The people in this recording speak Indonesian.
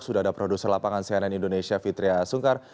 sudah ada produser lapangan cnn indonesia fitriah sungkar